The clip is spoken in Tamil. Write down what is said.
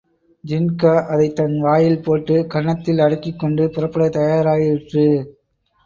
ஜின்கா அதைத் தன் வாயில் போட்டு, கன்னத்தில் அடக்கிக் கொண்டு புறப்படத் தயாராயிற்று.